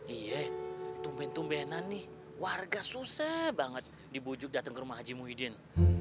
iya tumben tumbenan nih warga susah banget dibujuk datang ke rumah haji muhyiddin